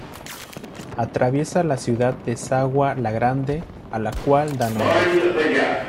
Atraviesa la ciudad de Sagua La Grande, a la cual da nombre.